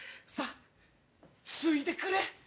さあついでくれ。